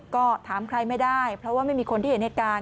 ก็ถามใครไม่ได้เพราะว่าไม่มีคนที่เห็นเหตุการณ์